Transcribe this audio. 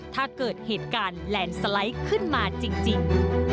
ถ้าเกิดเหตุการณ์แลนด์สไลด์ขึ้นมาจริง